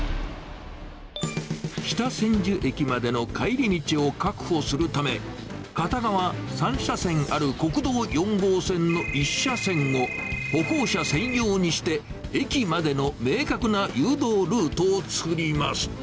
北千住駅までの帰り道を確保するため、片側３車線ある国道４号線の１車線を、歩行者専用にして、駅までの明確な誘導ルートを作ります。